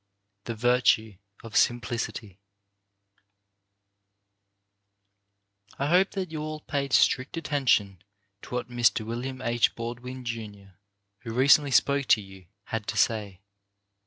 THE VIRTUE OP SIMPLICITY I hope that you all paid strict attention to what Mr. William H. Baldwin, Jr., who recently spoke to you, had to say.